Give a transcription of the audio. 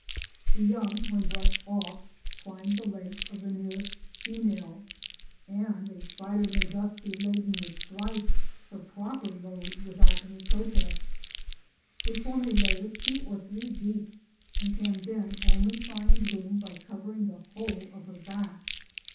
The young, when brushed off, climb the legs of the nearest female, and a spider may thus be laden with thrice her proper load without any protest. They form a layer two or three deep, and can then only find room by covering the whole of her back.